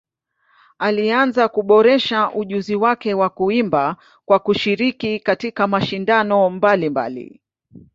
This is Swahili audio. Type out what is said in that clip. Alianza kuboresha ujuzi wake wa kuimba kwa kushiriki katika mashindano mbalimbali.